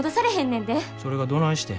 それがどないしてん。